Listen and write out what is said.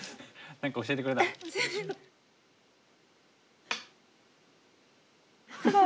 何か教えてくれたの？